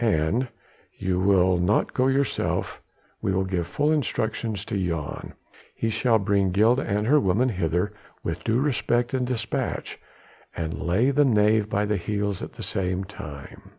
An you will not go yourself we will give full instructions to Jan. He shall bring Gilda and her woman hither with due respect and despatch, and lay the knave by the heels at the same time.